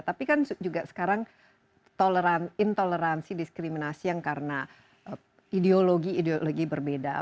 tapi kan juga sekarang intoleransi diskriminasi yang karena ideologi ideologi berbeda